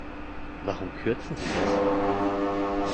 Warum kürzen Sie das?